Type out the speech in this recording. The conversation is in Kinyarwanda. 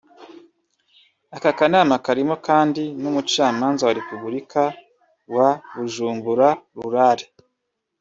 Aka kanama karimo kandi n’umucamanza wa Repubulika wa Bujumbura Rural